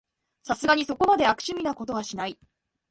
さすがにそこまで悪趣味なことはしない